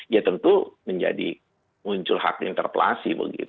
ya tentu menjadi muncul hak yang terpelasi